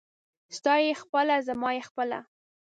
ستا يې خپله ، زما يې خپله.